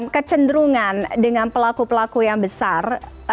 kecenderungan dengan pelaku pelaku yang besar